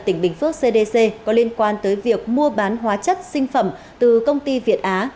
tỉnh bình phước cdc có liên quan tới việc mua bán hóa chất sinh phẩm từ công ty việt á